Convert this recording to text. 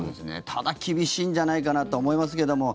ただ、厳しいんじゃないかなと思いますけども。